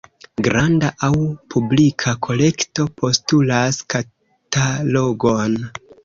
Granda aŭ publika kolekto postulas katalogon.